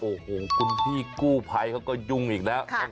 โอ้โหคุณพี่กู้ภัยเขาก็ยุ่งอีกแล้ว